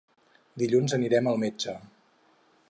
Dilluns anirem al metge.